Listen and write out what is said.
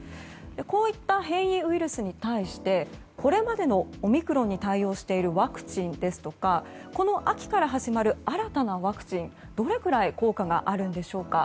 こういった変異ウイルスに対してこれまでのオミクロンに対応しているワクチンですとかこの秋から始まる新たなワクチン、どれくらい効果があるんでしょうか。